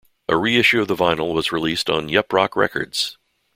A reissue of the vinyl was released on Yep Roc records.